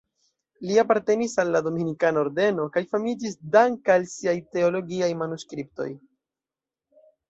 Li apartenis al la Dominikana Ordeno kaj famiĝis dank'al siaj teologiaj manuskriptoj.